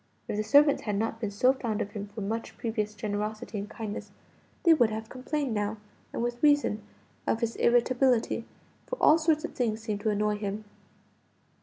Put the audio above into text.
If the servants had not been so fond of him for much previous generosity and kindness, they would have complained now, and with reason, of his irritability, for all sorts of things seemed to annoy him.